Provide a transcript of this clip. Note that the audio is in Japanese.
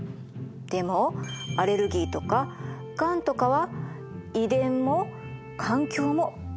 でもアレルギーとかがんとかは遺伝も環境も関係してるの。